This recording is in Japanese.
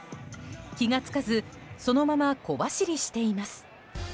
気が付かずそのまま小走りしています。